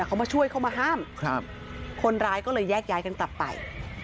เขามาช่วยเขามาห้ามครับคนร้ายก็เลยแยกย้ายกันกลับไป